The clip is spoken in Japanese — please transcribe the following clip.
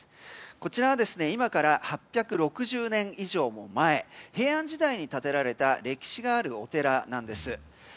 こちらは今から８６０年以上も前平安時代に建てられた歴史があるお寺なんです。